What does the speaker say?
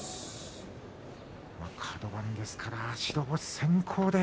カド番ですから白星先行で。